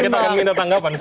kita akan minta tanggapan